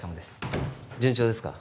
順調ですか？